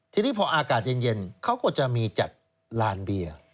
ทีนี้พออากาศเย็นเขาก็จะมีจัดลานเบียร์